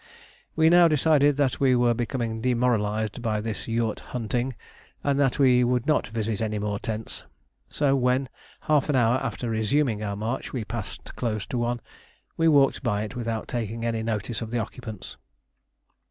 We now decided that we were becoming demoralised by this "yourt hunting," and that we would not visit any more tents; so when, half an hour after resuming our march, we passed close to one, we walked by it without taking any notice of the occupants.